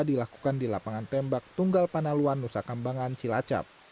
dilakukan di lapangan tembak tunggal panaluan nusa kambangan cilacap